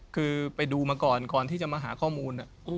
คือไปดูมาก่อนก่อนที่จะมาหาข้อมูล